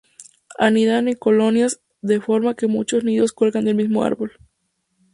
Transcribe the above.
Anidan en colonias, de forma que muchos nidos cuelgan del mismo árbol.